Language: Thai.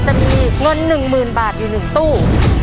จะมีเงิน๑๐๐๐บาทอยู่๑ตู้